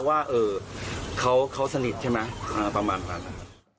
ว่าเขาสนิทใช่ไหมประมาณประมาณนั้น